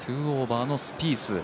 ２オーバーのスピース。